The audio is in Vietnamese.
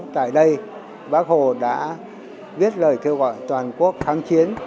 tại đây bác hồ đã viết lời kêu gọi toàn quốc kháng chiến